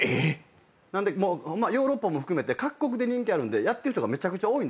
なんでヨーロッパも含めて各国で人気あるんでやってる人がめちゃくちゃ多い。